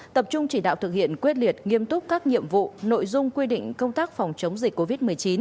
tập trung chỉ đạo thực hiện quyết liệt nghiêm túc các nhiệm vụ nội dung quy định công tác phòng chống dịch covid một mươi chín